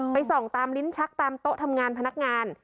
ส่องตามลิ้นชักตามโต๊ะทำงานพนักงาน